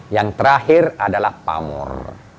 yang terakhir adalah pamur